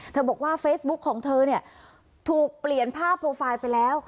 บอกว่าเฟซบุ๊กของเธอเนี่ยถูกเปลี่ยนภาพโปรไฟล์ไปแล้ว